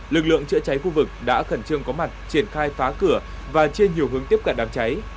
lực lượng chữa cháy khu vực đã khẩn trương có mặt triển khai phá cửa và chia nhiều hướng tiếp cận đám cháy